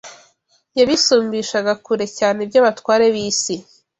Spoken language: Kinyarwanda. yabisumbishaga kure cyane iby’abatware b’isi.